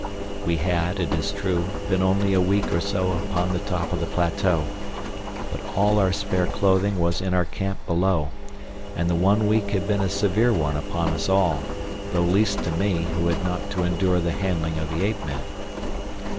We had, it is true, been only a week or so upon the top of the plateau, but all our spare clothing was in our camp below, and the one week had been a severe one upon us all, though least to me who had not to endure the handling of the ape men.